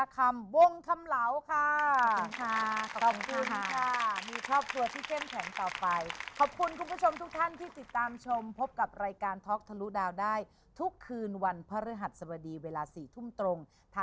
คุณหมุ้งตีรักรักกาดีค่ะ